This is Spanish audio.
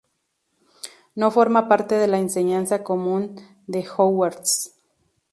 No forma parte de la enseñanza común en Hogwarts.